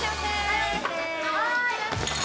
はい！